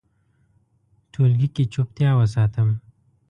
ټولګي کې چوپتیا وساتم.